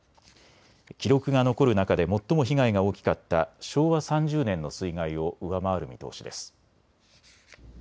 記録が残る中で最も被害が大きかった昭和３０年の水害を上回る見通しです。